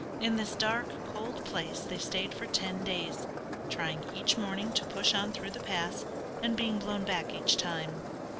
In this dark, cold place they stayed for ten days, trying each morning to push on through the pass, and being blown back each time.